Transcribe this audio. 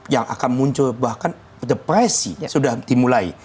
yang akan muncul bahkan depresi sudah dimulai